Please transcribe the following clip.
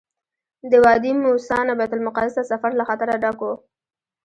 د وادي موسی نه بیت المقدس ته سفر له خطره ډک وو.